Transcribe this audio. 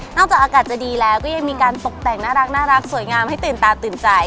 จากอากาศจะดีแล้วก็ยังมีการตกแต่งน่ารักสวยงามให้ตื่นตาตื่นใจ